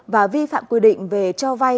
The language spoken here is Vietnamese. và vi phạm quy định về cho vay